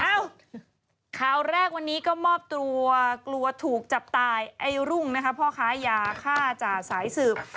เอ้าข่าวแรกวันนี้ก็มอบตัวกลัวกลัวถูกจับตายไอ้รุ่งนะคะพ่อค้ายาฆ่าจ่าสายสืบ